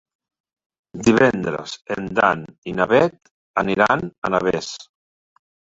Divendres en Dan i na Bet aniran a Navès.